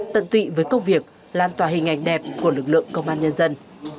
tận tụy với công việc lan tòa hình ảnh đẹp của lực lượng công an nhân dân